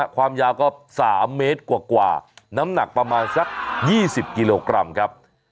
ความยาวก็๓เมตรกว่าน้ำหนักประมาณสัก๒๐กิโลกรัมครับ